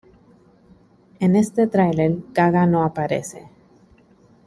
En este trailer, Gaga no aparece.